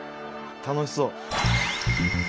楽しそう。